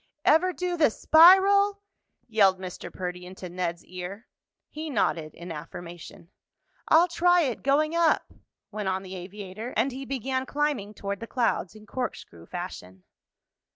"Ever do the spiral?" yelled Mr. Perdy into Ned's ear. He nodded in affirmation. "I'll try it going up," went on the aviator and he began climbing toward the clouds in corkscrew fashion.